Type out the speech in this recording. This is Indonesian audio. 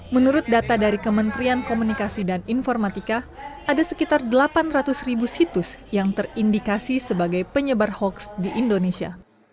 menurut data dari kementerian komunikasi dan informatika ada sekitar delapan ratus ribu situs yang terindikasi sebagai penyebar hoax di indonesia